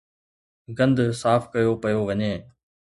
گند صاف ڪيو پيو وڃي.